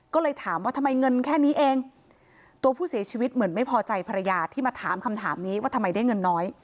ก็เลยถามว่าทำไมเงินแค่นี้เองตัวผู้เสียชีวิตเหมือนไม่พอใจภรรยาที่มาถามคำถามนี้ว่าทำไมได้เงินน้อย